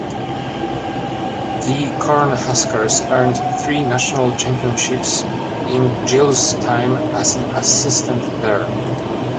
The Cornhuskers earned three national championships in Gill's time as an assistant there.